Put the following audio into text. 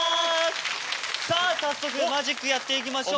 さあ早速マジックやっていきましょう。